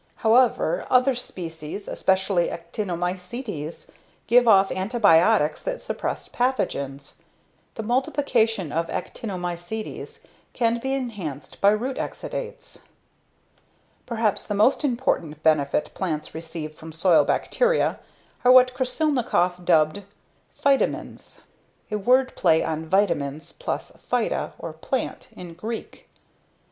However, other species, especially actinomycetes, give off antibiotics that suppress pathogens. The multiplication of actinomycetes can be enhanced by root exudates. Perhaps the most important benefit plants receive from soil bacteria are what Krasilnikov dubbed "phytamins," a word play on vitamins plus phyta or "plant" in Greek.